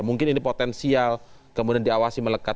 mungkin ini potensial kemudian diawasi melekat